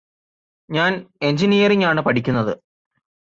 ഞാന് എഞ്ചിനീയറിംഗ് ആണ് പഠിക്കുന്നത്